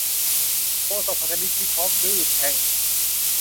โฆษกพันธมิตรชี้ พร้อมดื้อแพ่ง